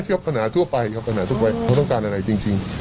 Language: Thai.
ปัญหาทั่วไปครับปัญหาทั่วไปเขาต้องการอะไรจริง